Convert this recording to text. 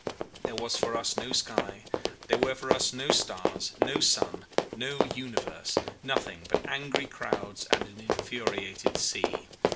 There was for us no sky, there were for us no stars, no sun, no universe nothing but angry clouds and an infuriated sea.